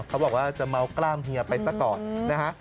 เขาบอกว่าจะเมากล้ามเฮียไปซะก่อนนะฮะ